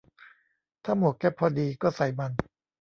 ถ้าหมวกแก๊ปพอดี ก็ใส่มัน